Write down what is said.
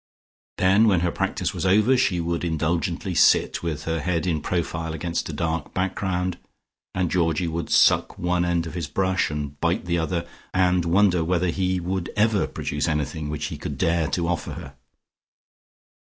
Then when her practice was over, she would indulgently sit with her head in profile against a dark background, and Georgie would suck one end of his brush and bite the other, and wonder whether he would ever produce anything which he could dare to offer her.